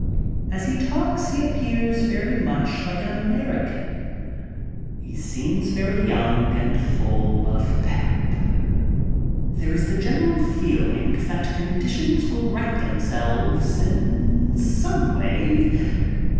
As he talks he appears very much like an American. He seems very yoimg and full of "p^." 100 MY TRIP ABROAD There is the general feeling that conditions will right themselves in some way.